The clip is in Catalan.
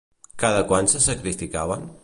Cada quant se sacrificaven?